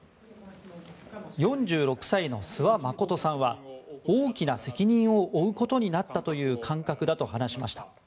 ４６歳の諏訪理さんは大きな責任を負うことになったという感覚だと話しました。